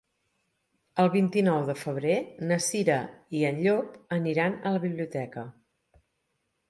El vint-i-nou de febrer na Cira i en Llop aniran a la biblioteca.